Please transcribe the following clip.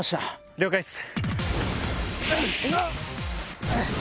了解っす。